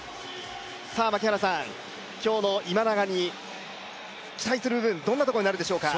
槙原さん、今日の今永に期待する部分、どんなところになるでしょうか？